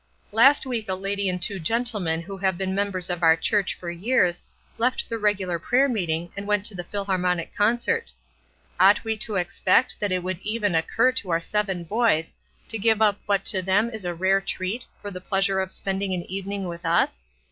"Last week a lady and two gentleman who have been members of our church for years, left the regular prayer meeting, and went to the Philharmonic concert. "Ought we to expect that it would even occur to our seven boys to give up what to them is a rare treat for the pleasure of spending an evening with us?